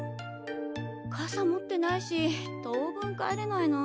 かさ持ってないし当分帰れないな。